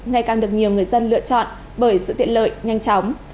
ngày càng được nhiều người dân lựa chọn bởi sự tiện lợi nhanh chóng